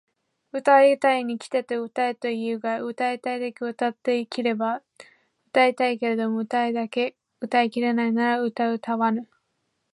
歌うたいが歌うたいに来て歌うたえと言うが歌うたいが歌うたうだけうたい切れば歌うたうけれども歌うたいだけ歌うたい切れないから歌うたわぬ！？